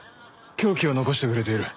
凶器を残してくれている。